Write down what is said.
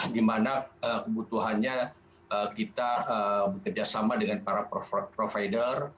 di mana kebutuhannya kita bekerjasama dengan para provider